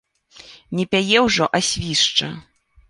Не пяе ўжо, а свішча.